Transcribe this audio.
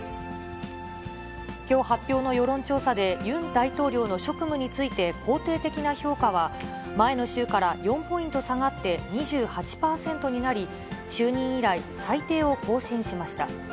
きょう発表の世論調査で、ユン大統領の職務について、肯定的な評価は、前の週から４ポイント下がって２８％になり、就任以来、最低を更新しました。